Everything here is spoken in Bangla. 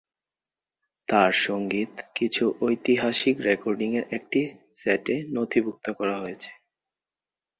তার সঙ্গীত কিছু ঐতিহাসিক রেকর্ডিংয়ের একটি সেটে নথিভুক্ত করা হয়েছে।